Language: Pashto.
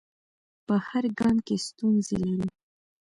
په هر ګام کې ستونزې لري.